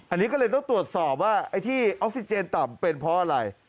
อันนี้ก็เลยต้องตรวจสอบว่าไอ้ที่ออกซิเจนต่ำเป็นเพราะอะไร